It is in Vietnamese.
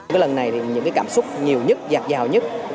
cái lần này thì những cái cảm xúc nhiều nhất giặt dào nhất